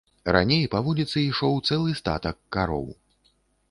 Раней па вуліцы ішоў цэлы статак кароў.